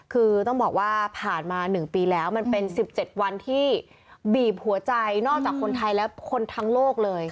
คือต้องบอกว่าผ่านมา๑ปีแล้วมันเป็น๑๗วันที่บีบหัวใจนอกจากคนไทยและคนทั้งโลกเลย